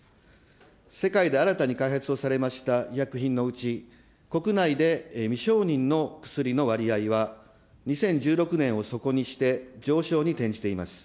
世界で新たに開発をされました医薬品のうち、国内で未承認の薬の割合は、２０１６年を底にして上昇に転じています。